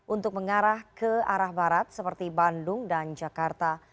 untuk mengarah ke arah barat seperti bandung dan jakarta